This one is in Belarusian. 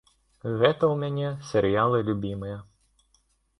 Гэта ў мяне серыялы любімыя.